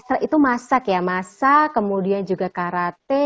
karena itu masak ya masak kemudian juga karate